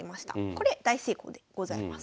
これ大成功でございます。